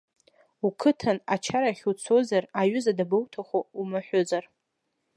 Уқыҭан ачарахь уцозар, аҩыза дабоуҭаху, умаҳәымзар.